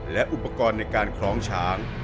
และอุปกรณ์ในการคล้องช้าง